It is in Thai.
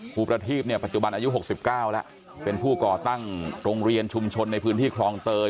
ประทีพเนี่ยปัจจุบันอายุ๖๙แล้วเป็นผู้ก่อตั้งโรงเรียนชุมชนในพื้นที่คลองเตย